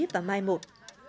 và mai một